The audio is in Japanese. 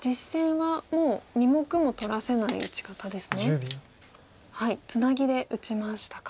はいツナギで打ちましたか。